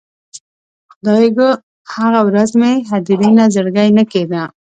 خدایږو، هغه ورځ مې هدیرې نه زړګی نه کیده